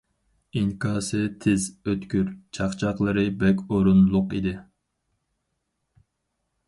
ئىنكاسى تېز، ئۆتكۈر، چاقچاقلىرى بەك ئورۇنلۇق ئىدى.